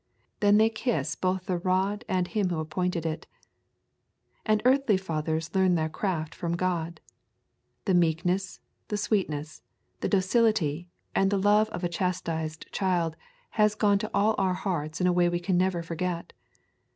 They then kiss both the rod and Him who appointed it. And earthly fathers learn their craft from God. The meekness, the sweetness, the docility, and the love of a chastised child has gone to all our hearts in a way we can never forget.